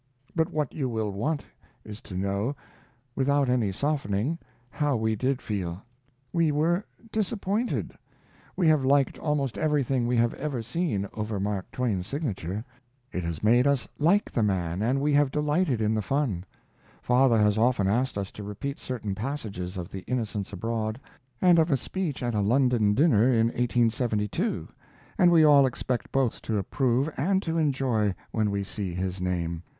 But what you will want is to know, without any softening, how we did feel. We were disappointed. We have liked almost everything we have ever seen over Mark Twain's signature. It has made us like the man, and we have delighted in the fun. Father has often asked us to repeat certain passages of The Innocents Abroad, and of a speech at a London dinner in 1872, and we all expect both to approve and to enjoy when we see his name.